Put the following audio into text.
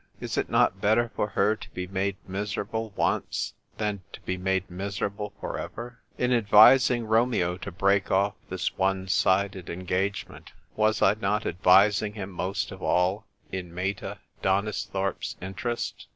Is it not better for her to be made miserable once than to be made miserable for ever ?" In advising Romeo to break off this one sided engagement, was I not advising him most of all in Meta Donisthorpe's interest